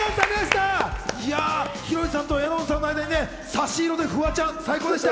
浩次さんと、絵音さんの間に差し色のフワちゃん、最高でした。